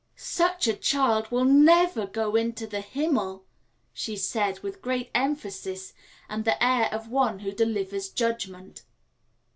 "Such a child will never go into the Himmel," she said with great emphasis, and the air of one who delivers judgment.